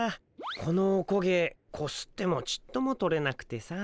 このおこげこすってもちっとも取れなくてさ。